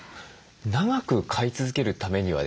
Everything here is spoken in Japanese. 長く飼い続けるためにはですね